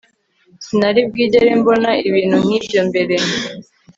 Sinari bwigere mbona ibintu nkibyo mbere